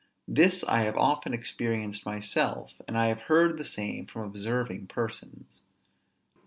This I have often experienced myself, and I have heard the same from observing persons.